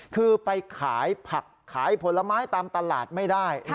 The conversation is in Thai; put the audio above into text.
คือไปขายผักขายผลไม้ตามตลาดไม่ได้